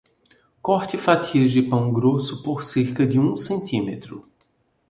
Corte fatias de pão grosso por cerca de um centímetro.